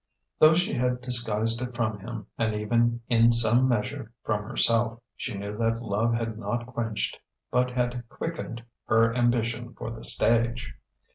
Though she had disguised it from him, and even in some measure from herself, she knew that love had not quenched but had quickened her ambition for the stage.